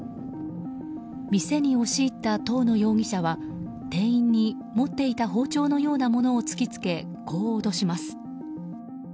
店に押し入った東野容疑者は店員に持っていた包丁のようなものを突きつけ、こう脅します。